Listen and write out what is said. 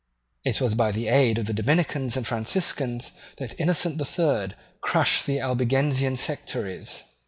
It was by the aid of the Dominicans and Franciscans that Innocent the Third crushed the Albigensian sectaries.